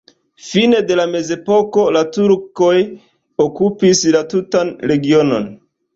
Fine de la mezepoko la turkoj okupis la tutan regionon.